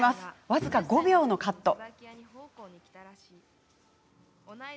僅か５秒のカット。